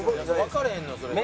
わかれへんのよそれが。